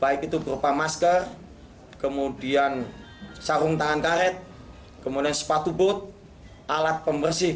baik itu berupa masker kemudian sarung tangan karet kemudian sepatu bot alat pembersih